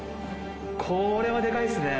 これはでかいっすね！